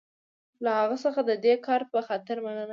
له هغه څخه د دې کار په خاطر مننه کوم.